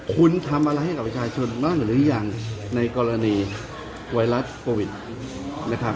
คุณทำอะไรให้กับประชาชนบ้างหรือยังในกรณีไวรัสโควิดนะครับ